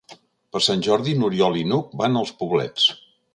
Per Sant Jordi n'Oriol i n'Hug van als Poblets.